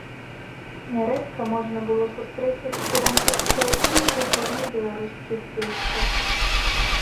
Нярэдка можна было сустрэць эсперантыстаў і ў заходнебеларускіх вёсках.